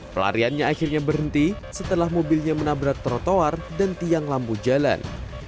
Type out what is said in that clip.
pelariannya akhirnya berhenti setelah mobilnya menabrak trotoar dan tiang lampu jalan